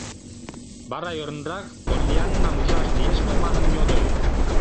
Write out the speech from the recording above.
Вара ӧрынрак Поллианнам ужаш лиеш мо манын йодо.